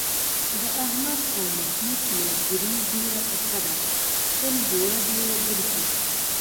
د احمد او محمود ملگري ډېره پخه ده، تل جوړه جوړه گرځي.